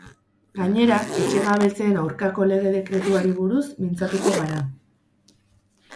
Gainera etxegabetzeen aurkako lege dekretuari buruz mintzatuko gara.